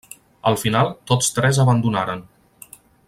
Al final, tots tres abandonaren.